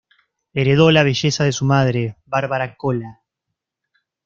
Heredó la belleza de su madre Barbara Kola.